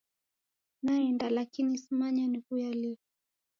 Naenda lakini simanya niwuya lii.